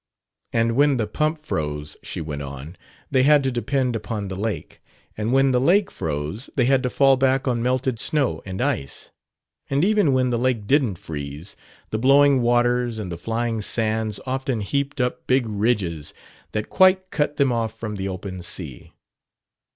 And when the pump froze, she went on, they had to depend upon the lake; and when the lake froze they had to fall back on melted snow and ice. And even when the lake didn't freeze, the blowing waters and the flying sands often heaped up big ridges that quite cut them off from the open sea.